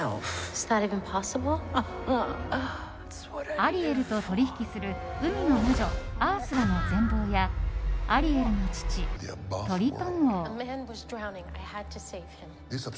アリエルと取引する海の魔女アースラの全貌やアリエルの父、トリトン王。